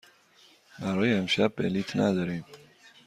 برای امشب بلیط نداریم.